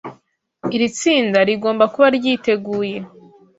Iri tsinda rigomba kuba ryiteguye